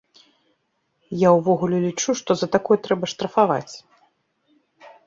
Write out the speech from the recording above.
Я ўвогуле лічу, што за такое трэба штрафаваць.